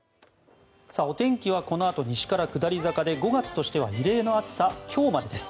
お天気はこのあと西から下り坂で５月としては異例の暑さ今日までです。